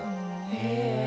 へえ。